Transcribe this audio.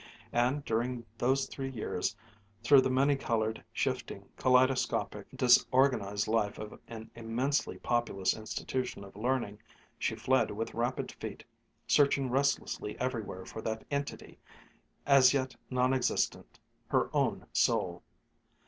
and during those three years, through the many colored, shifting, kaleidoscopic, disorganized life of an immensely populous institution of learning, she fled with rapid feet, searching restlessly everywhere for that entity, as yet non existent, her own soul.